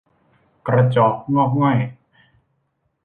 กระจอกงอกง่อย